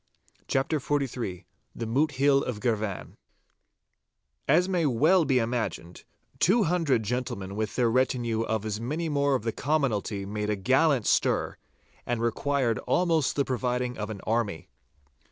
*CHAPTER XLIII* *THE MOOT HILL OF GIRVAN* As may well be imagined, two hundred gentlemen with their retinue of as many more of the commonalty made a gallant stir, and required almost the providing of an army.